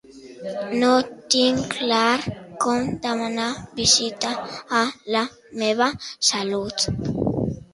No tinc clar com demanar visita a La meva salut.